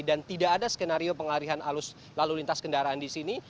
dan tidak ada skenario pengalihan alus lalu lintas kendaraan di sini